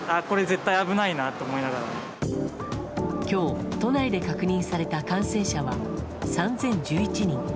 今日、都内で確認された感染者は３０１１人。